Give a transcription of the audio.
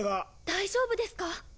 大丈夫ですか？